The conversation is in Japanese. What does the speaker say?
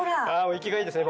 生きがいいですね。